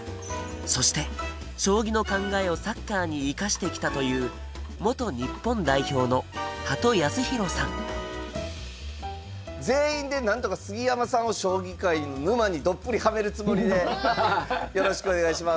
そして将棋の考えをサッカーに生かしてきたという元日本代表の全員でなんとか杉山さんを将棋界の沼にどっぷりはめるつもりでよろしくお願いします。